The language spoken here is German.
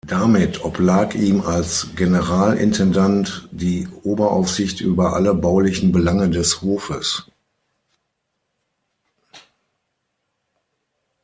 Damit oblag ihm als Generalintendant die Oberaufsicht über alle baulichen Belange des Hofes.